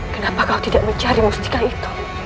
kenapa kau tidak mencari masjidil itu